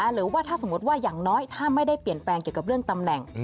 หรือว่าถ้าสมมติว่าอย่างน้อยถ้าไม่ได้เปลี่ยนแปลงเกี่ยวกับเรื่องตำแหน่ง